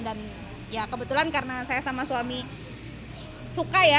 dan ya kebetulan karena saya sama suami suka ya